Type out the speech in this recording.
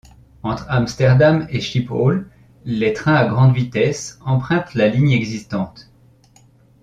Entre Amsterdam et Schiphol les trains à grande vitesse empruntent la ligne existante.